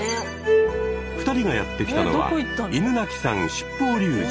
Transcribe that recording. ２人がやって来たのは犬鳴山七宝瀧寺。